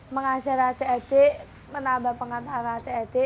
mengajar at at menambah pengetahuan at at